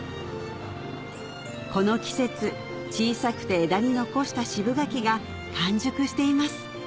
この季節小さくて枝に残した渋柿が完熟しています